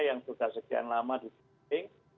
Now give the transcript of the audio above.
yang sudah sedang lama di